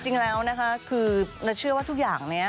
จริงแล้วนะคะคือนัทเชื่อว่าทุกอย่างนี้